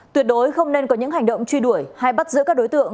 tuyệt đối không nên có những hành động truy đuổi hay bắt giữ các đối tượng